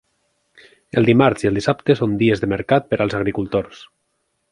El dimarts i el dissabte són dies de mercat per als agricultors.